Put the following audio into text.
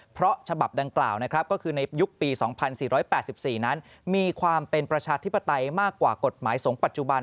เพราะฉบับดังกล่าวนะครับก็คือในยุคปี๒๔๘๔นั้นมีความเป็นประชาธิปไตยมากกว่ากฎหมายสงฆ์ปัจจุบัน